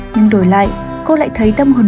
nhưng đổi lại cô lại thấy tâm hồn